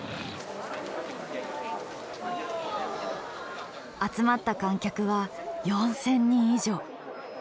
集まった観客は４，０００人以上。